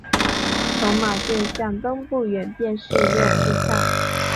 从马甸向东不远便是六铺炕。